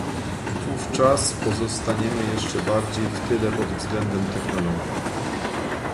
Wówczas pozostaniemy jeszcze bardziej w tyle pod względem technologii